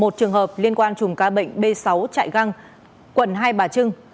một trường hợp liên quan chùm ca bệnh b sáu trại găng quận hai bà trưng